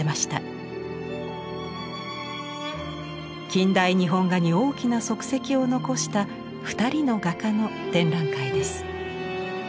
近代日本画に大きな足跡を残した二人の画家の展覧会です。